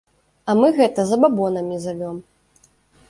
А мы гэта забабонамі завём.